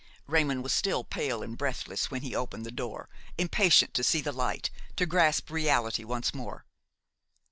Raymon was still pale and breathless when he opened the door; impatient to see the light, to grasp reality once more.